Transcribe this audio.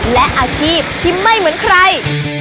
และอาชีพที่ไม่เหมือนใคร